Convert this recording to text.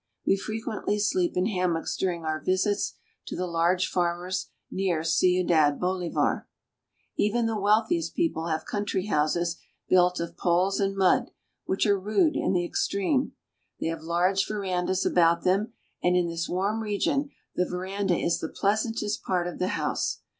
We frequently sleep in hammocks during our visits to the large farmers near Ciudad Bolivar. Even the wealthiest people have country houses built of poles and mud, which are rude in the extreme. They have large verandas about them, and in this warm region the veranda is the pleasantest part of the house.